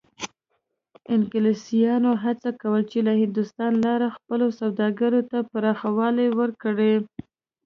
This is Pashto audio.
انګلیسانو هڅه کوله چې له هندوستان لارې خپلو سوداګریو ته پراخوالی ورکړي.